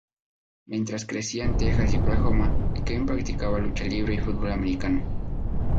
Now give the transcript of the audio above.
Mientras crecía en Texas y Oklahoma, Kane practicaba lucha libre y fútbol americano.